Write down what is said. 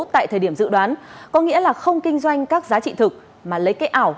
tại thời điểm dự đoán có nghĩa là không kinh doanh các giá trị thực mà lấy cái ảo